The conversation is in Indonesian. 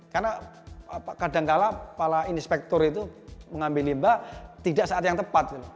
karena kadangkala kepala inspektor itu mengambil limbah tidak saat yang tepat